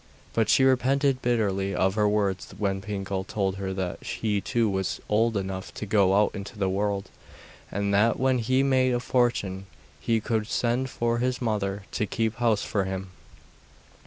But she repented bitterly of her words when Pinkel told her that he too was old enough to go out into the world, and that when he had made a fortune he would send for his mother to keep house for him.